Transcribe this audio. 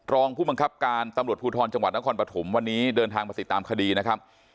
รองผู้บังคับการตำรวจภูทรจังหวัดนครปฐมวันนี้เดินทางมาติดตามคดีนะครับ